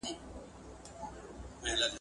ولي دورکهايم په فرانسه کي څېړنه وکړه؟